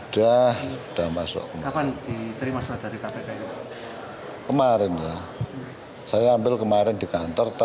dari teman saya tanggal hari hari jumat sore itu